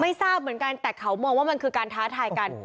ทราบเหมือนกันแต่เขามองว่ามันคือการท้าทายกัน